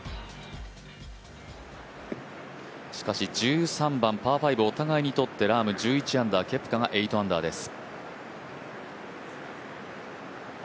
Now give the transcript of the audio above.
しかし１３番、パー５をお互いにとって１１アンダー、ケプカが８アンダーです。